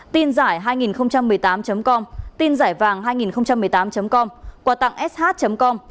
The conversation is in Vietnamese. tin giải hai nghìn một mươi tám com tin giải vàng hai nghìn một mươi tám com quà tặng sh com